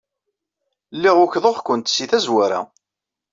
Lliɣ ukḍeɣ-kent deg tazwara.